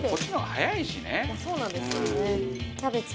そうなんですよね。